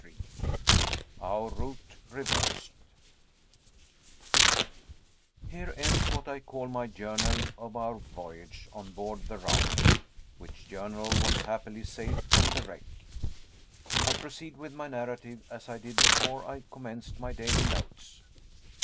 CHAPTER 33 OUR ROUTE REVERSED Here ends what I call "My Journal" of our voyage on board the raft, which journal was happily saved from the wreck. I proceed with my narrative as I did before I commenced my daily notes.